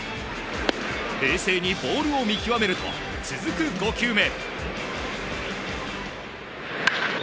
冷静にボールを見極めると続く５球目。